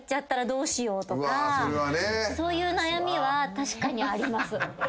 そういう悩みは確かにあります。